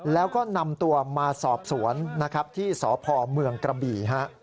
แล้วก็นำตัวมาสอบสวนนะครับที่สพเมืองกระบี่ฮะ